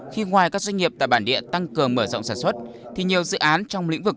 khi ngoài các doanh nghiệp tại bản địa tăng cường mở rộng sản xuất thì nhiều dự án trong lĩnh vực